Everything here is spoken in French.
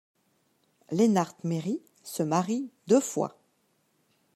Lennart Meri se marie deux fois.